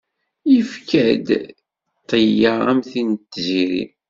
Yefka-d ṭṭya, am tin n tziri.